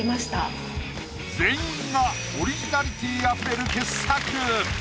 全員がオリジナリティーあふれる傑作。